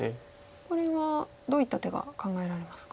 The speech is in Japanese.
これはどういった手が考えられますか？